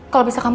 kau bisa kenapa